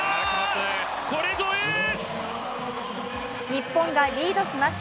日本がリードします。